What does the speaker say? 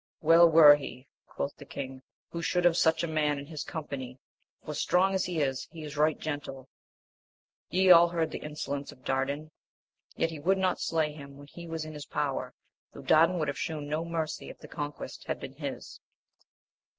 Well were he, quoth the king, who should have such a man in his company, for, strong as he is, he is right gentle ; ye all heard the insolence of Dardan, yet would he not slay him when he was in his power, though Dardan would have shewn no mercy if the conquest had been \i\a, ksaa.